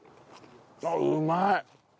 あっうまい！